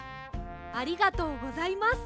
ありがとうございます。